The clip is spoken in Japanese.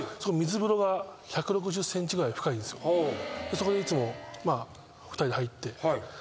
そこでいつも２人で入って。